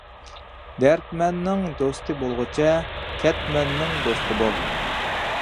دەردمەننىڭ دوستى بولغۇچە، كەتمەننىڭ دوستى بول.